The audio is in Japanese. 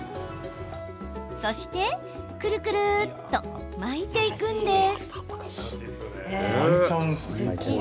そしてくるくるっと巻いていくんです。